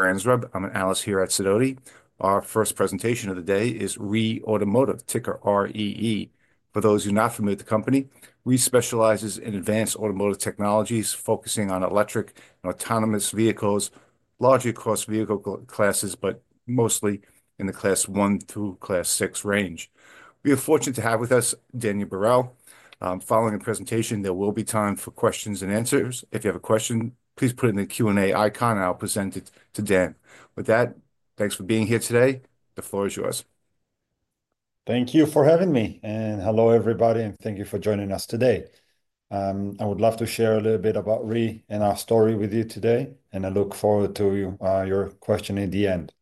Greetings, everyone. I'm Alice here at Sidoti. Our first presentation of the day is REE Automotive, ticker REE. For those who are not familiar with the company, REE specializes in advanced automotive technologies, focusing on electric and autonomous vehicles, largely across vehicle classes, but mostly in the Class 1 through Class 6 range. We are fortunate to have with us Daniel Barel. Following the presentation, there will be time for questions and answers. If you have a question, please put it in the Q&A icon, and I'll present it to Dan. With that, thanks for being here today. The floor is yours. Thank you for having me and hello, everybody, and thank you for joining us today. I would love to share a little bit about REE and our story with you today, and I look forward to your question at the end.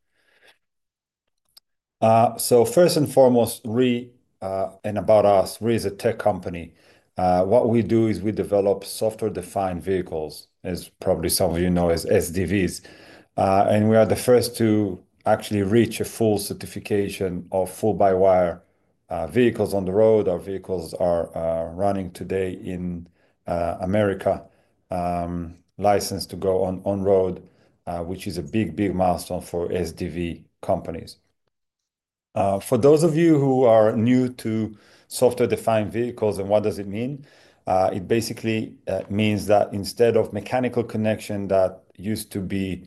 First and foremost, REE and about us, REE is a tech company. What we do is we develop software-defined vehicles, as probably some of you know, as SDVs. We are the first to actually reach a full certification of full-by-wire vehicles on the road. Our vehicles are running today in America, licensed to go on road, which is a big, big milestone for SDV companies. For those of you who are new to software-defined vehicles and what does it mean, it basically means that instead of mechanical connection that used to be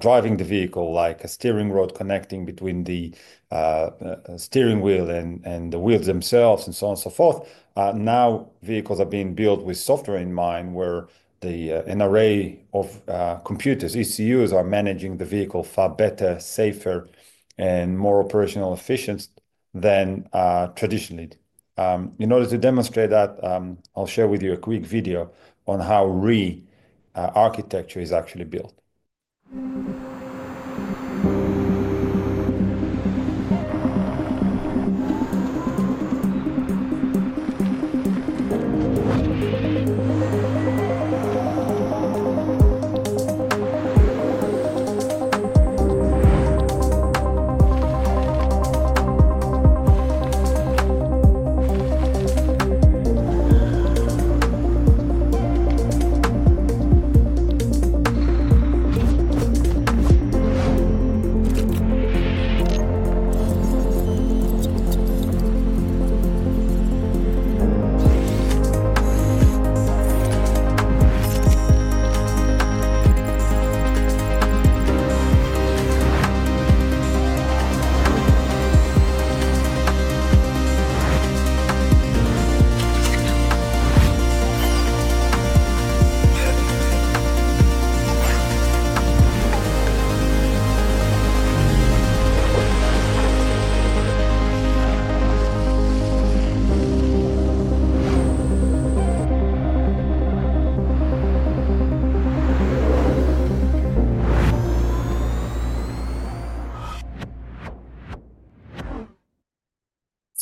driving the vehicle, like a steering rod connecting between the steering wheel and the wheels themselves, and so on and so forth, now vehicles are being built with software in mind, where an array of computers, ECUs, are managing the vehicle far better, safer, and more operational efficient than traditionally. In order to demonstrate that, I'll share with you a quick video on how REE architecture is actually built.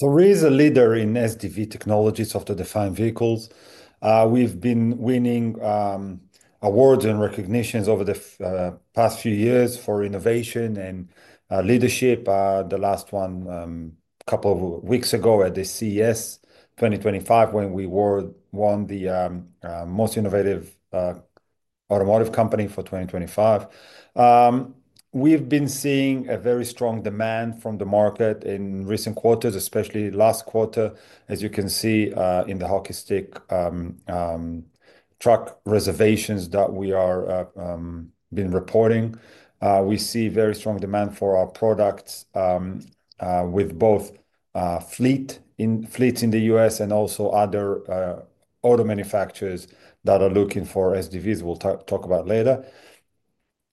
So REE is a leader in SDV technologies, software-defined vehicles. We've been winning awards and recognitions over the past few years for innovation and leadership. The last one, a couple of weeks ago at the CES 2025, when we won the most innovative automotive company for 2025. We've been seeing a very strong demand from the market in recent quarters, especially last quarter, as you can see in the hockey stick truck reservations that we are been reporting. We see very strong demand for our products with both fleets in the U.S. and also other auto manufacturers that are looking for SDVs, we'll talk about later.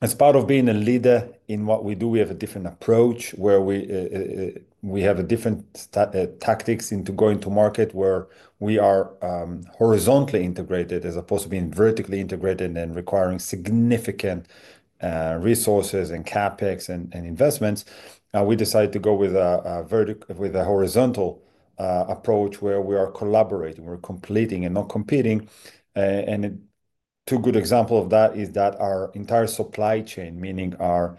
As part of being a leader in what we do, we have a different approach, where we have different tactics into going to market, where we are horizontally integrated as opposed to being vertically integrated and requiring significant resources and CapEx and investments. We decided to go with a horizontal approach, where we are collaborating, we're competing and not competing. And a good example of that is that our entire supply chain, meaning our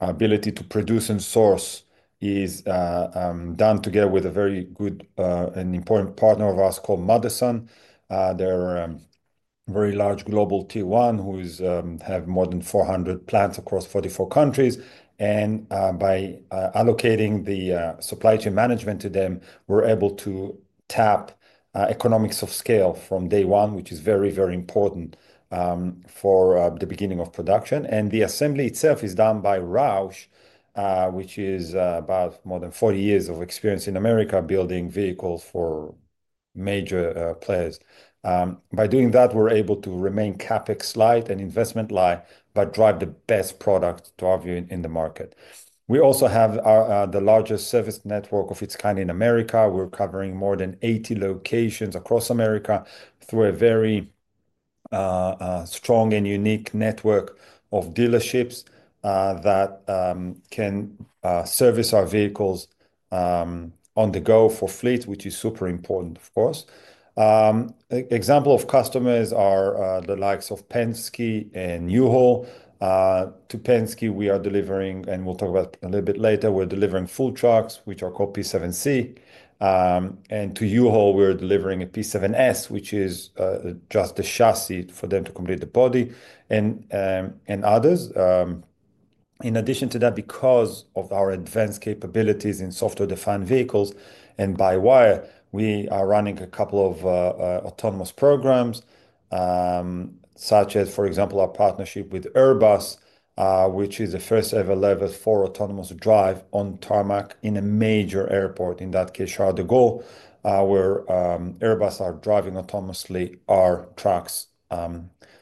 ability to produce and source, is done together with a very good and important partner of ours called Motherson. They're a very large global T1 who have more than 400 plants across 44 countries. And by allocating the supply chain management to them, we're able to tap economies of scale from day one, which is very, very important for the beginning of production. And the assembly itself is done by Roush, which is about more than 40 years of experience in America building vehicles for major players. By doing that, we're able to remain CapEx light and investment light, but drive the best product to have you in the market. We also have the largest service network of its kind in America. We're covering more than 80 locations across America through a very strong and unique network of dealerships that can service our vehicles on the go for fleets, which is super important, of course. Examples of customers are the likes of Penske and U-Haul. To Penske, we are delivering, and we'll talk about it a little bit later, we're delivering full trucks, which are called P7-C, and to U-Haul, we're delivering a P7-S, which is just a chassis for them to complete the body and others. In addition to that, because of our advanced capabilities in software-defined vehicles and by-wire, we are running a couple of autonomous programs, such as, for example, our partnership with Airbus, which is the first-ever Level 4 autonomous drive on tarmac in a major airport, in that case, Charles de Gaulle, where Airbus are driving autonomously our trucks,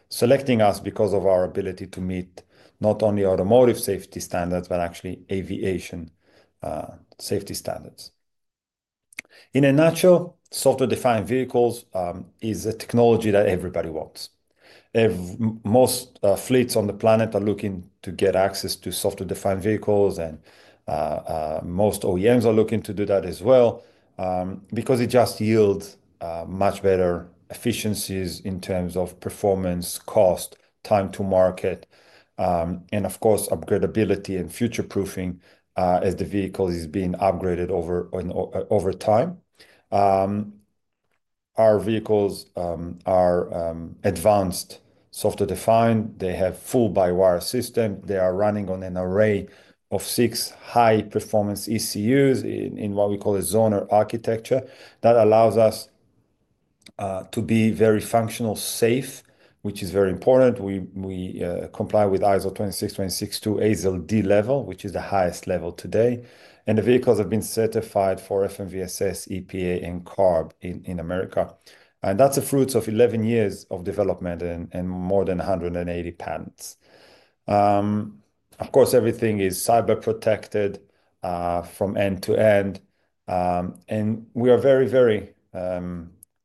selecting us because of our ability to meet not only automotive safety standards, but actually aviation safety standards. In a nutshell, software-defined vehicles is a technology that everybody wants. Most fleets on the planet are looking to get access to software-defined vehicles, and most OEMs are looking to do that as well, because it just yields much better efficiencies in terms of performance, cost, time to market, and of course, upgradability and future-proofing as the vehicle is being upgraded over time. Our vehicles are advanced software-defined. They have full by-wire systems. They are running on an array of six high-performance ECUs in what we call a zonal architecture that allows us to be very functional, safe, which is very important. We comply with ISO 26262 ASIL D level, which is the highest level today. And the vehicles have been certified for FMVSS, EPA, and CARB in America. And that's the fruits of 11 years of development and more than 180 patents. Of course, everything is cyber-protected from end to end. And we are very, very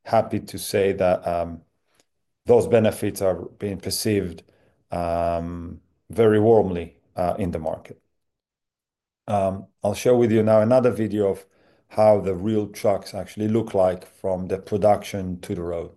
happy to say that those benefits are being perceived very warmly in the market. I'll share with you now another video of how the real trucks actually look like from the production to the road.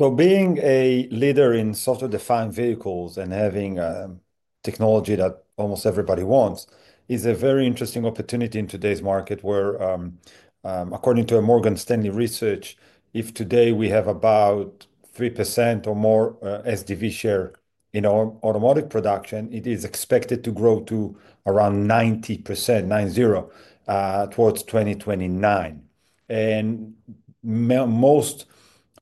So being a leader in software-defined vehicles and having technology that almost everybody wants is a very interesting opportunity in today's market, where, according to Morgan Stanley Research, if today we have about 3% or more SDV share in automotive production, it is expected to grow to around 90%, 9-0, towards 2029, and most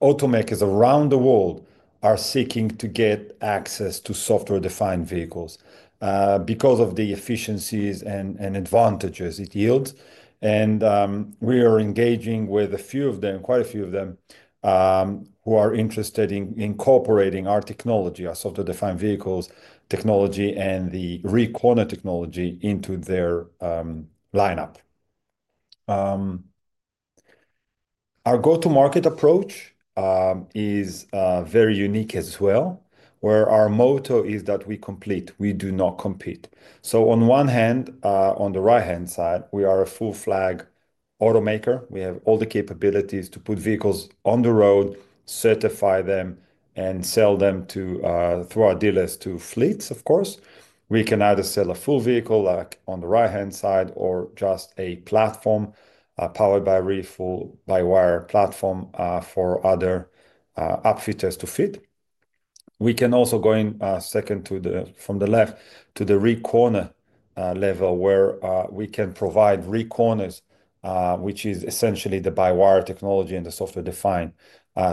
automakers around the world are seeking to get access to software-defined vehicles because of the efficiencies and advantages it yields, and we are engaging with a few of them, quite a few of them, who are interested in incorporating our technology, our software-defined vehicles technology, and the REEcorner technology into their lineup. Our go-to-market approach is very unique as well, where our motto is that we complement. We do not compete, so on one hand, on the right-hand side, we are a full-fledged automaker. We have all the capabilities to put vehicles on the road, certify them, and sell them through our dealers to fleets, of course. We can either sell a full vehicle like on the right-hand side or just a platform powered by REE full-by-wire platform for other outfitters to fit. We can also go in second from the left to the REEcorner level, where we can provide REEcorners, which is essentially the by-wire technology and the software-defined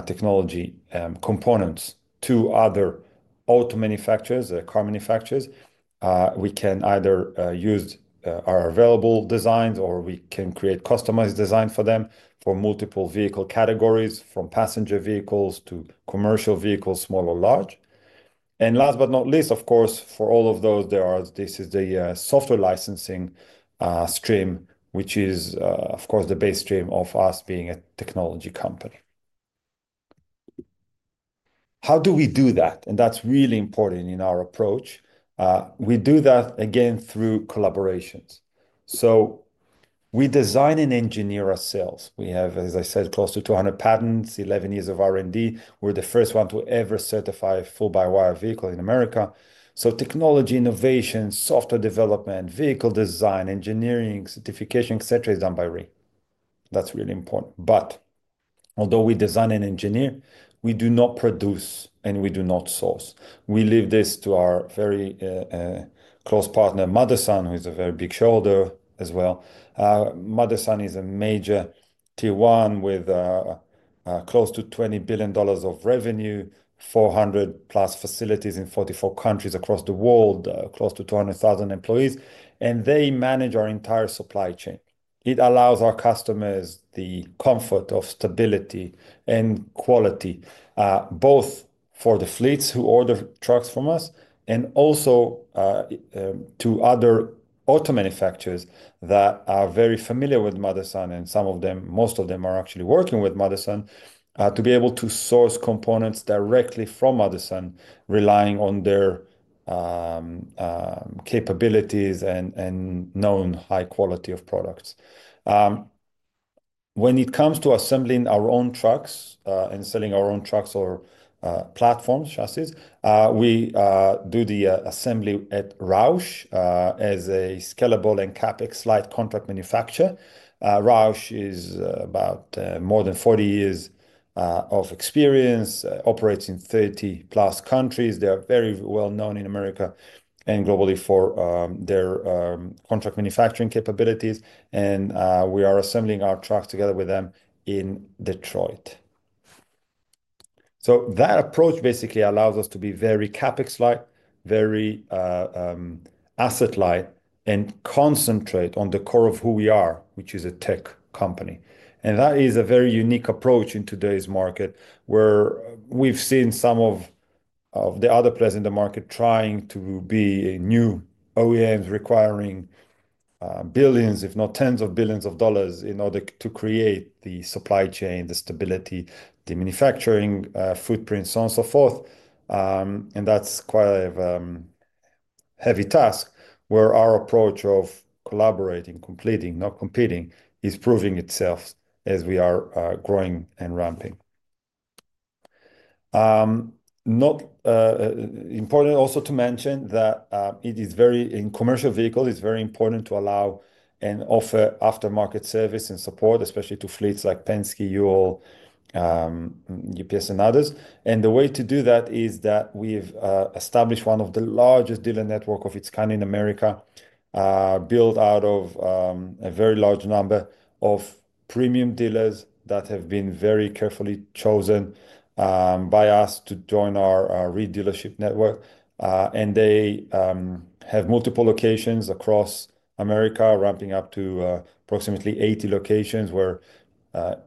technology components to other auto manufacturers, car manufacturers. We can either use our available designs, or we can create customized designs for them for multiple vehicle categories, from passenger vehicles to commercial vehicles, small or large. And last but not least, of course, for all of those, this is the software licensing stream, which is, of course, the base stream of us being a technology company. How do we do that? That's really important in our approach. We do that, again, through collaborations. So we design and engineer ourselves. We have, as I said, close to 200 patents, 11 years of R&D. We're the first one to ever certify a full-by-wire vehicle in America. So technology innovation, software development, vehicle design, engineering, certification, et cetera, is done by REE. That's really important. But although we design and engineer, we do not produce, and we do not source. We leave this to our very close partner, Motherson, who is a very big player as well. Motherson is a major T1 with close to $20 billion of revenue, 400+ facilities in 44 countries across the world, close to 200,000 employees. They manage our entire supply chain. It allows our customers the comfort of stability and quality, both for the fleets who order trucks from us and also to other auto manufacturers that are very familiar with Motherson, and some of them, most of them are actually working with Motherson to be able to source components directly from Motherson, relying on their capabilities and known high quality of products. When it comes to assembling our own trucks and selling our own trucks or platforms, chassis, we do the assembly at Roush as a scalable and CapEx light contract manufacturer. Roush is about more than 40 years of experience, operates in 30+ countries. They're very well known in America and globally for their contract manufacturing capabilities, and we are assembling our trucks together with them in Detroit. That approach basically allows us to be very CapEx light, very asset light, and concentrate on the core of who we are, which is a tech company. That is a very unique approach in today's market, where we've seen some of the other players in the market trying to be new OEMs requiring billions, if not tens of billions of dollars in order to create the supply chain, the stability, the manufacturing footprint, so on and so forth. That's quite a heavy task, where our approach of collaborating, complementing, not competing, is proving itself as we are growing and ramping. It's also important to mention that in commercial vehicles, it's very important to allow and offer aftermarket service and support, especially to fleets like Penske, U-Haul, UPS, and others. And the way to do that is that we've established one of the largest dealer networks of its kind in America, built out of a very large number of premium dealers that have been very carefully chosen by us to join our REE dealership network. And they have multiple locations across America, ramping up to approximately 80 locations, where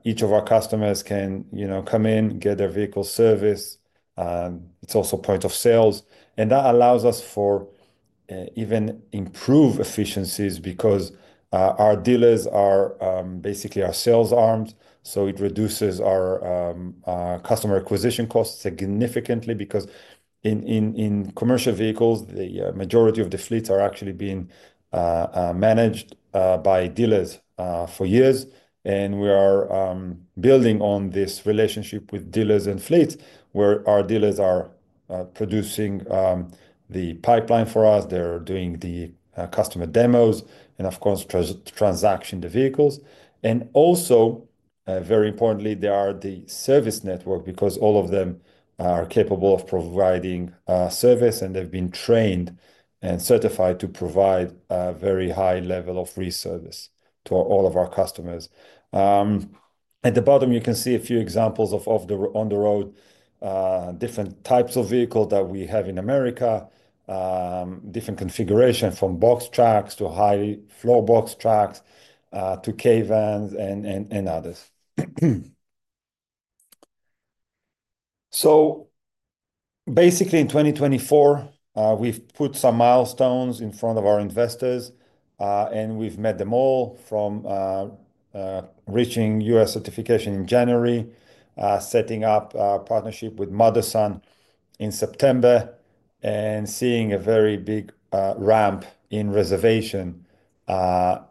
each of our customers can come in, get their vehicle serviced. It's also a point of sales. And that allows us for even improved efficiencies because our dealers are basically our sales arms. So it reduces our customer acquisition costs significantly because in commercial vehicles, the majority of the fleets are actually being managed by dealers for years. And we are building on this relationship with dealers and fleets, where our dealers are producing the pipeline for us. They're doing the customer demos and, of course, transaction to vehicles. Also, very importantly, there are the service network because all of them are capable of providing service, and they've been trained and certified to provide a very high level of REE service to all of our customers. At the bottom, you can see a few examples of on the road, different types of vehicles that we have in America, different configurations from box trucks to high floor box trucks to Kei vans and others. So basically, in 2024, we've put some milestones in front of our investors, and we've met them all from reaching U.S. certification in January, setting up a partnership with Motherson in September, and seeing a very big ramp in reservations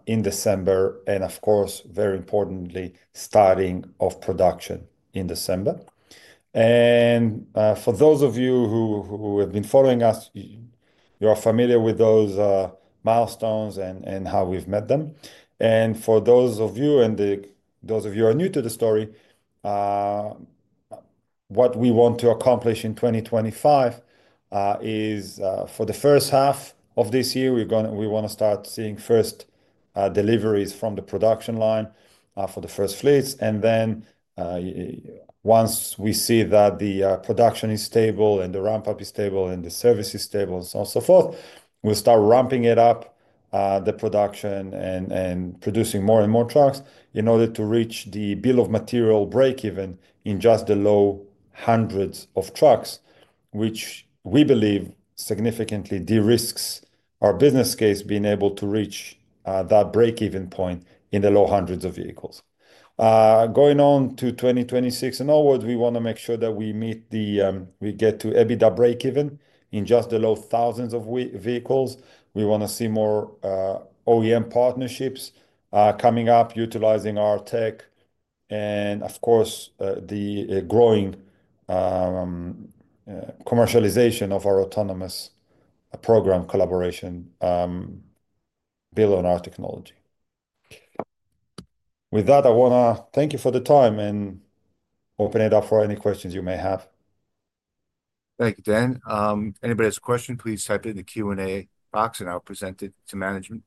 in December, and, of course, very importantly, start of production in December. For those of you who have been following us, you are familiar with those milestones and how we've met them. For those of you, and those of you who are new to the story, what we want to accomplish in 2025 is for the first half of this year, we want to start seeing first deliveries from the production line for the first fleets. Then once we see that the production is stable and the ramp-up is stable and the service is stable and so on and so forth, we'll start ramping it up, the production, and producing more and more trucks in order to reach the bill of material break-even in just the low hundreds of trucks, which we believe significantly de-risk our business case being able to reach that break-even point in the low hundreds of vehicles. Going on to 2026 and onwards, we want to make sure that we get to EBITDA break-even in just the low thousands of vehicles. We want to see more OEM partnerships coming up utilizing our tech, and, of course, the growing commercialization of our autonomous program collaboration built on our technology. With that, I want to thank you for the time and open it up for any questions you may have. Thank you, Dan. Anybody has a question, please type it in the Q&A box, and I'll present it to management.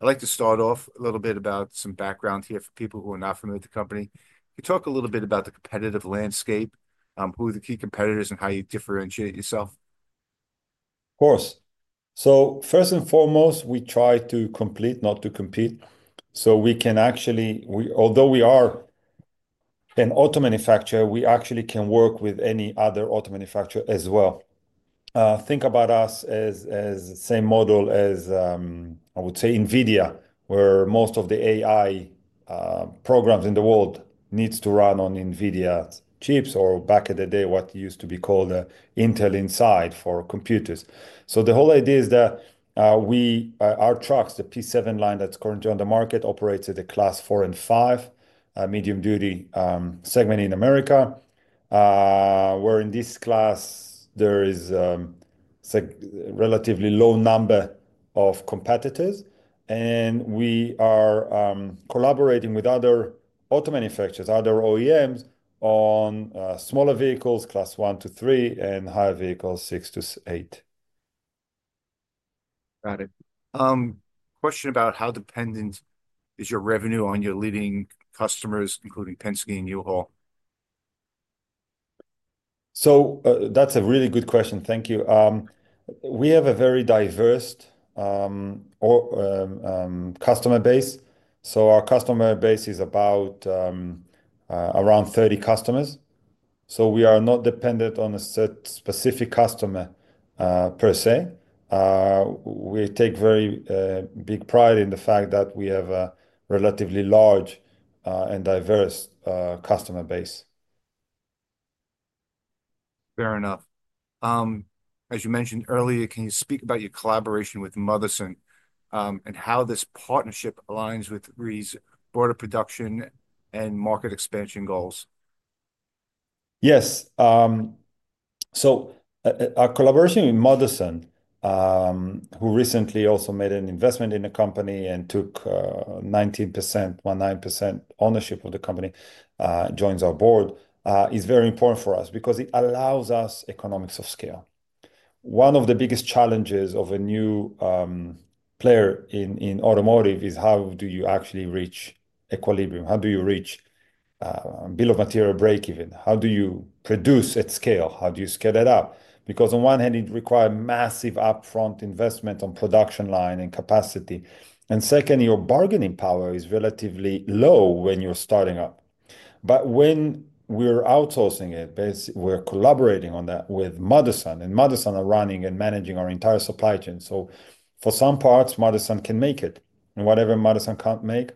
I'd like to start off a little bit about some background here for people who are not familiar with the company. Can you talk a little bit about the competitive landscape, who are the key competitors, and how you differentiate yourself? Of course, so first and foremost, we try to cooperate, not to compete. So we can actually, although we are an auto manufacturer, we actually can work with any other auto manufacturer as well. Think about us as the same model as, I would say, NVIDIA, where most of the AI programs in the world need to run on NVIDIA chips or back in the day, what used to be called Intel Inside for computers, so the whole idea is that our trucks, the P7 line that's currently on the market, operates at a Class 4 and 5, medium-duty segment in America, where in this class, there is a relatively low number of competitors, and we are collaborating with other auto manufacturers, other OEMs on smaller vehicles, Class 1 to 3, and higher vehicles, 6 to 8. Got it. Question about how dependent is your revenue on your leading customers, including Penske and U-Haul? So that's a really good question. Thank you. We have a very diverse customer base, so our customer base is about around 30 customers. We are not dependent on a specific customer per se. We take very big pride in the fact that we have a relatively large and diverse customer base. Fair enough. As you mentioned earlier, can you speak about your collaboration with Motherson and how this partnership aligns with REE's broader production and market expansion goals? Yes. Our collaboration with Motherson, who recently also made an investment in the company and took 19%, 19% ownership of the company, joins our board, is very important for us because it allows us economies of scale. One of the biggest challenges of a new player in automotive is how do you actually reach equilibrium? How do you reach bill of materials break-even? How do you produce at scale? How do you scale that up? Because on one hand, it requires massive upfront investment on production line and capacity. And second, your bargaining power is relatively low when you're starting up. But when we're outsourcing it, we're collaborating on that with Motherson. And Motherson are running and managing our entire supply chain. So for some parts, Motherson can make it. And whatever Motherson can't make,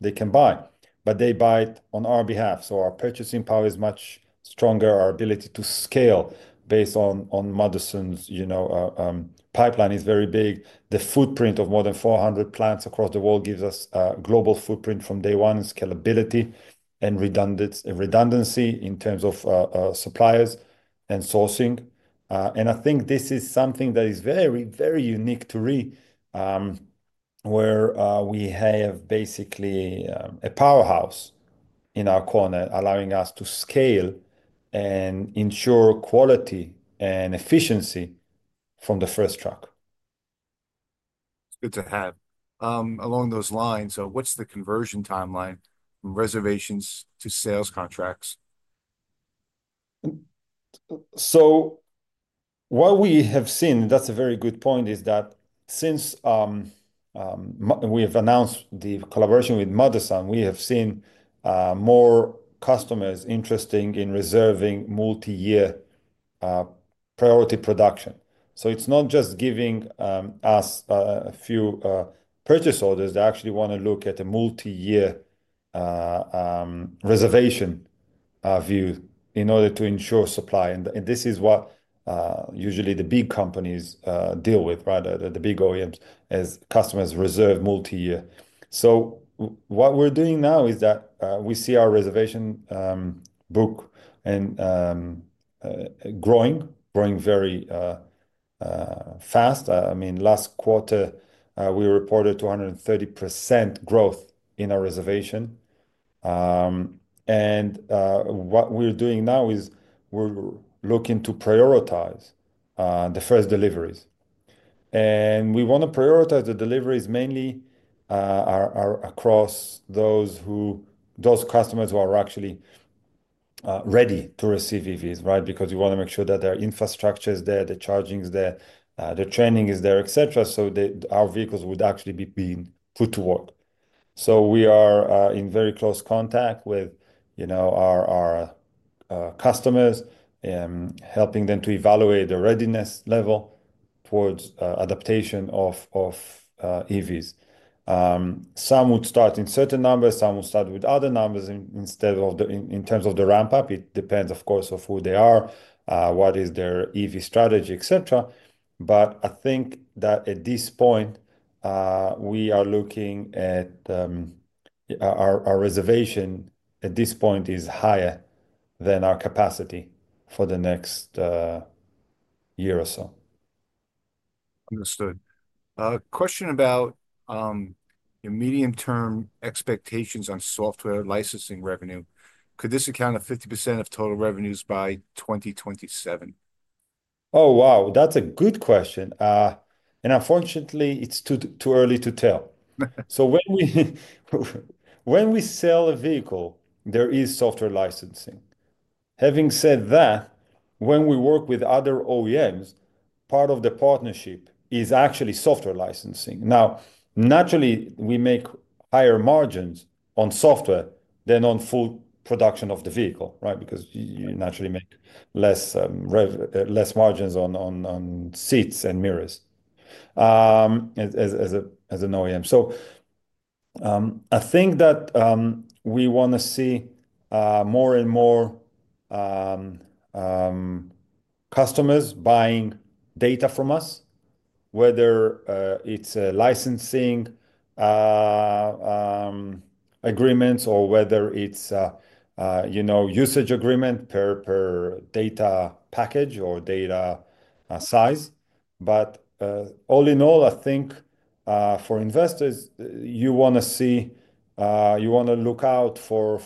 they can buy. But they buy it on our behalf. So our purchasing power is much stronger. Our ability to scale based on Motherson's pipeline is very big. The footprint of more than 400 plants across the world gives us a global footprint from day one, scalability and redundancy in terms of suppliers and sourcing. And I think this is something that is very, very unique to REE, where we have basically a powerhouse in our corner, allowing us to scale and ensure quality and efficiency from the first truck. It's good to have. Along those lines, so what's the conversion timeline from reservations to sales contracts? So what we have seen, that's a very good point, is that since we have announced the collaboration with Motherson, we have seen more customers interested in reserving multi-year priority production. So it's not just giving us a few purchase orders. They actually want to look at a multi-year reservation view in order to ensure supply. And this is what usually the big companies deal with, right? The big OEMs, as customers reserve multi-year. So what we're doing now is that we see our reservation book and growing, growing very fast. I mean, last quarter, we reported 230% growth in our reservation. And what we're doing now is we're looking to prioritize the first deliveries. And we want to prioritize the deliveries mainly across those customers who are actually ready to receive EVs, right? Because we want to make sure that their infrastructure is there, the charging is there, the training is there, etc. So our vehicles would actually be put to work. So we are in very close contact with our customers and helping them to evaluate the readiness level towards adaptation of EVs. Some would start in certain numbers. Some will start with other numbers in terms of the ramp-up. It depends, of course, on who they are, what is their EV strategy, etc. But I think that at this point, we are looking at our reservation at this point is higher than our capacity for the next year or so. Understood. Question about your medium-term expectations on software licensing revenue. Could this account for 50% of total revenues by 2027? Oh, wow. That's a good question. And unfortunately, it's too early to tell. So when we sell a vehicle, there is software licensing. Having said that, when we work with other OEMs, part of the partnership is actually software licensing. Now, naturally, we make higher margins on software than on full production of the vehicle, right? Because you naturally make less margins on seats and mirrors as an OEM. So I think that we want to see more and more customers buying data from us, whether it's licensing agreements or whether it's usage agreement per data package or data size. But all in all, I think for investors, you want to look out for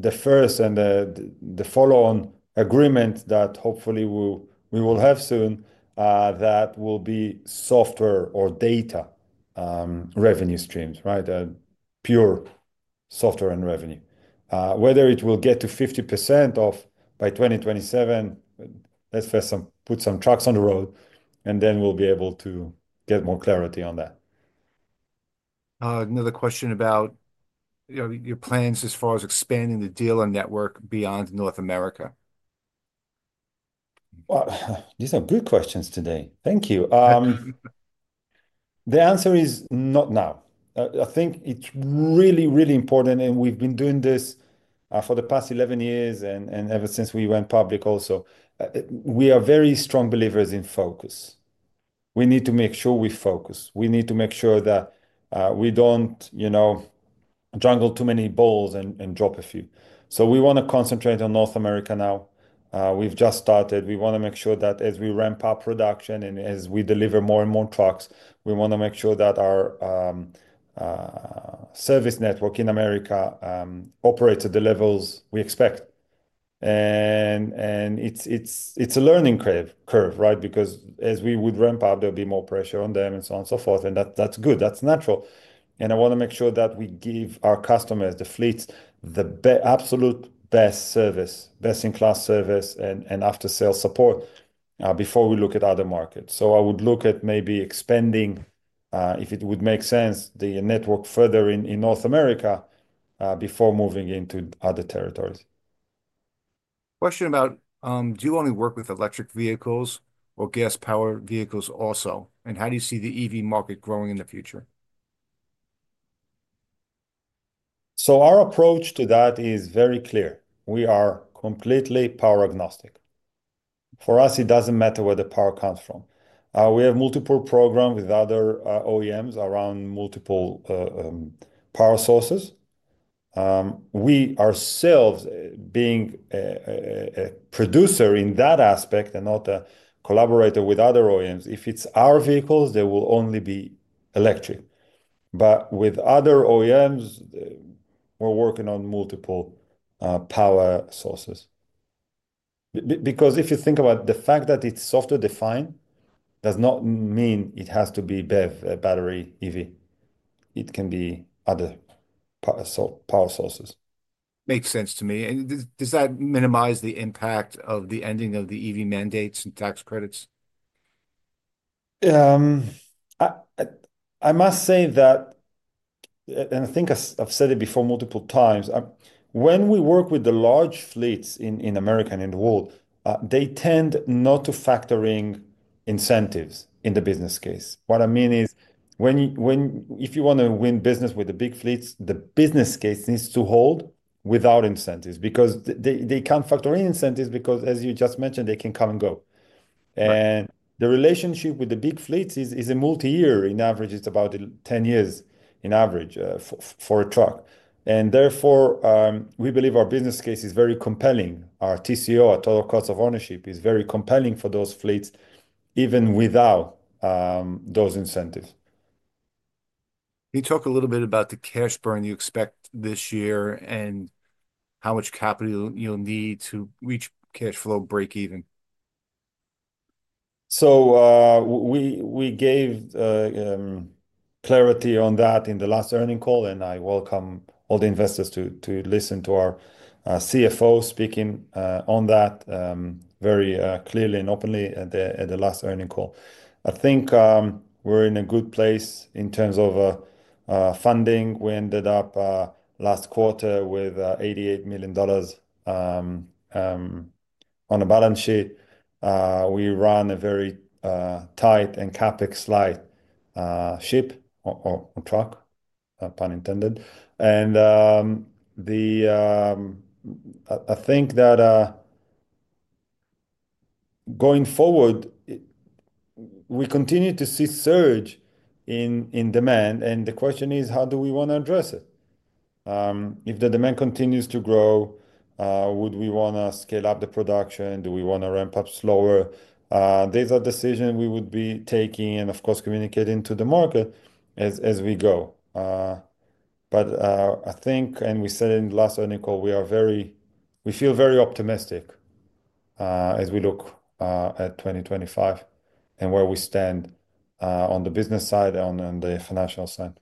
the first and the follow-on agreement that hopefully we will have soon that will be software or data revenue streams, right? Pure software and revenue. Whether it will get to 50% by 2027, let's put some trucks on the road, and then we'll be able to get more clarity on that. Another question about your plans as far as expanding the dealer network beyond North America. These are good questions today. Thank you. The answer is not now. I think it's really, really important, and we've been doing this for the past 11 years and ever since we went public also. We are very strong believers in focus. We need to make sure we focus. We need to make sure that we don't juggle too many balls and drop a few. So we want to concentrate on North America now. We've just started. We want to make sure that as we ramp up production and as we deliver more and more trucks, we want to make sure that our service network in America operates at the levels we expect, and it's a learning curve, right? Because as we would ramp up, there'll be more pressure on them and so on and so forth, and that's good. That's natural, and I want to make sure that we give our customers, the fleets, the absolute best service, best-in-class service and after-sales support before we look at other markets, so I would look at maybe expanding, if it would make sense, the network further in North America before moving into other territories. Question about do you only work with electric vehicles or gas-powered vehicles also, and how do you see the EV market growing in the future, So our approach to that is very clear. We are completely power agnostic. For us, it doesn't matter where the power comes from. We have multiple programs with other OEMs around multiple power sources. We ourselves being a producer in that aspect and not a collaborator with other OEMs. If it's our vehicles, they will only be electric. But with other OEMs, we're working on multiple power sources. Because if you think about the fact that it's software-defined, does not mean it has to be a battery EV. It can be other power sources. Makes sense to me. And does that minimize the impact of the ending of the EV mandates and tax credits? I must say that, and I think I've said it before multiple times, when we work with the large fleets in America and in the world, they tend not to factor in incentives in the business case. What I mean is if you want to win business with the big fleets, the business case needs to hold without incentives because they can't factor in incentives because, as you just mentioned, they can come and go. And the relationship with the big fleets is a multi-year. On average, it's about 10 years on average for a truck. And therefore, we believe our business case is very compelling. Our TCO, our total cost of ownership, is very compelling for those fleets even without those incentives. Can you talk a little bit about the cash burn you expect this year and how much capital you'll need to reach cash flow break-even? So we gave clarity on that in the last earnings call, and I welcome all the investors to listen to our CFO speaking on that very clearly and openly at the last earnings call. I think we're in a good place in terms of funding. We ended up last quarter with $88 million on the balance sheet. We run a very tight and CapEx-light ship or truck, pun intended, and I think that going forward, we continue to see a surge in demand. And the question is, how do we want to address it? If the demand continues to grow, would we want to scale up the production? Do we want to ramp up slower? These are decisions we would be taking and, of course, communicating to the market as we go, but I think, and we said in the last earnings call, we feel very optimistic as we look at 2025 and where we stand on the business side and on the financial side.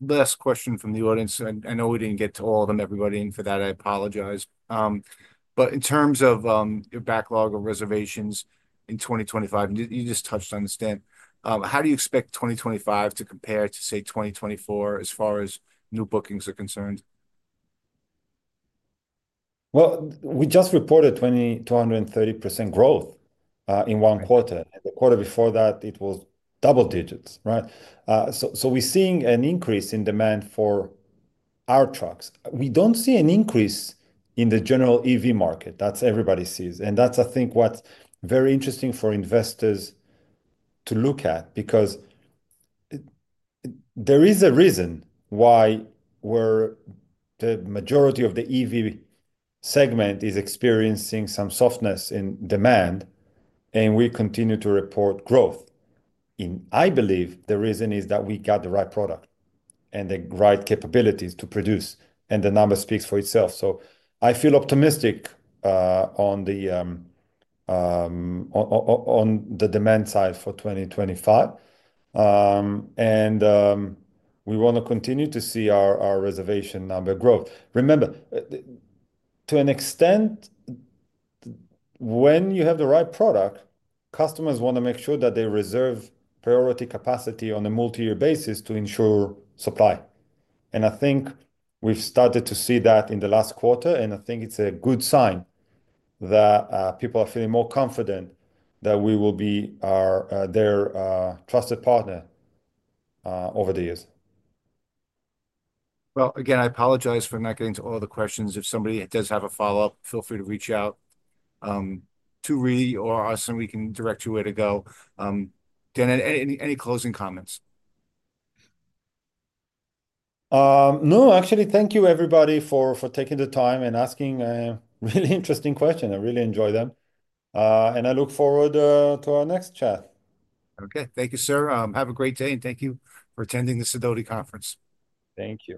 Last question from the audience. I know we didn't get to all of them, everybody, and for that, I apologize. But in terms of your backlog of reservations in 2025, you just touched on the stamp. How do you expect 2025 to compare to, say, 2024 as far as new bookings are concerned? Well, we just reported 230% growth in one quarter. And the quarter before that, it was double digits, right? So we're seeing an increase in demand for our trucks. We don't see an increase in the general EV market. That's everybody sees. And that's, I think, what's very interesting for investors to look at because there is a reason why the majority of the EV segment is experiencing some softness in demand, and we continue to report growth. And I believe the reason is that we got the right product and the right capabilities to produce, and the number speaks for itself. So I feel optimistic on the demand side for 2025. And we want to continue to see our reservation number growth. Remember, to an extent, when you have the right product, customers want to make sure that they reserve priority capacity on a multi-year basis to ensure supply. And I think we've started to see that in the last quarter, and I think it's a good sign that people are feeling more confident that we will be their trusted partner over the years. Well, again, I apologize for not getting to all the questions. If somebody does have a follow-up, feel free to reach out to REE or us, and we can direct you where to go. Dan, any closing comments? No, actually, thank you, everybody, for taking the time and asking really interesting questions. I really enjoyed them. And I look forward to our next chat. Okay. Thank you, sir. Have a great day, and thank you for attending the Sidoti Conference. Thank you.